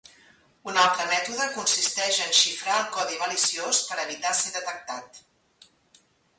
Un altre mètode consisteix en xifrar el codi maliciós per evitar ser detectat.